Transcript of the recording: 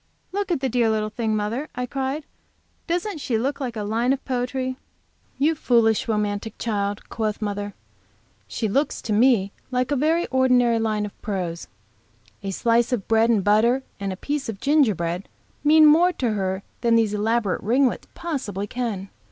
"Look at the dear little thing, mother!" I cried; "doesn't she look like a line of poetry?" "You foolish, romantic child!" quoth mother. "She looks, to me, like a very ordinary line of prose. A slice of bread and butter and a piece of gingerbread mean more to her than these elaborate ringlets possibly can.